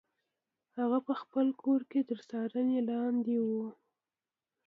هغه په خپل کور کې تر څارنې لاندې و.